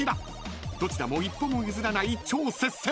［どちらも一歩も譲らない超接戦］